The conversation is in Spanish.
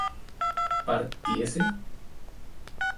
¿partiese?